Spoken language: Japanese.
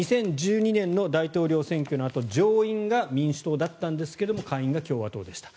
２０１２年の大統領選挙のあと上院が民主党だったんですが下院が共和党でした。